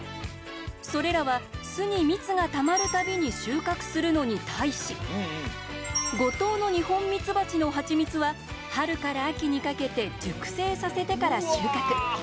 それらは、巣に蜜がたまるたびに収穫するのに対し五島の二ホンミツバチのハチミツは春から秋にかけて熟成させてから収穫。